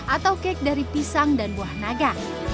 atau kek dari pisang dan buah naga